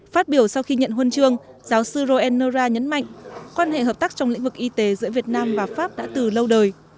phát biểu sau khi nhận huân chương giáo sư roenerra nhấn mạnh quan hệ hợp tác trong lĩnh vực y tế giữa việt nam và pháp đã từ lâu đời